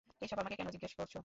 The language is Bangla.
এসব আমাকে কেন জিজ্ঞেস করছো?